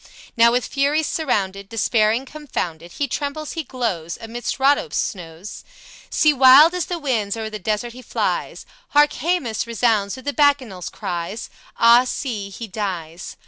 Now with furies surrounded, Despairing, confounded, He trembles, he glows, Amidst Rhodope's snows See, wild as the winds o'er the desert he flies; Hark! Haemus resounds with the Bacchanals' cries; Ah, see, he dies!